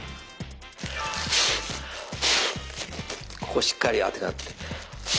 ここをしっかりあてがって。